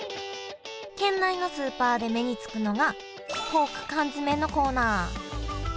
県内のスーパーで目に付くのがポーク缶詰のコーナー。